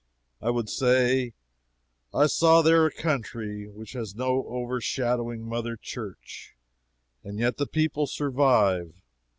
I would say: "I saw there a country which has no overshadowing Mother Church, and yet the people survive.